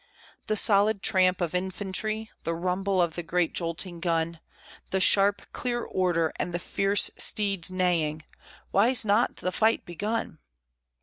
The solid tramp of infantry, the rumble of the great jolting gun, The sharp, clear order, and the fierce steeds neighing, "Why's not the fight begun?"